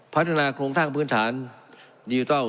พัฒนาโครงท่างพื้นฐานยูตัล